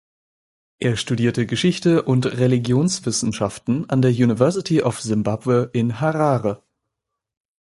Er studierte Geschichte und Religionswissenschaften an der University of Zimbabwe in Harare.